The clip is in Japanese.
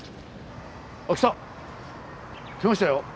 あ来た。来ましたよ。